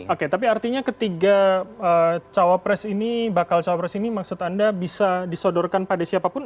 oke tapi artinya ketiga cawapres ini bakal cawapres ini maksud anda bisa disodorkan pada siapapun